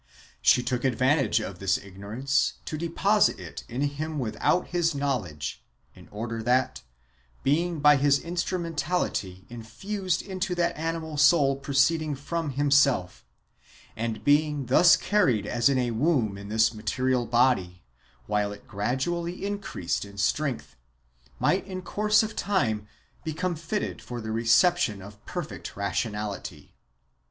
She took advantage of this ignorance to deposit it (her production) in him without his knowledge, in order that, being by his instrumentality infused into that animal soul proceeding from himself, and being thus carried as in a womb in this material body, while it gradually increased in strength, might in course of time become fitted for the reception of perfect rationality.